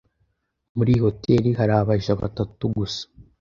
Muri iyi hoteri hari abaja batatu gusa.